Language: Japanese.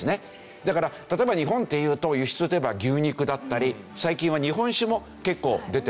だから例えば日本っていうと輸出といえば牛肉だったり最近は日本酒も結構出てますでしょ。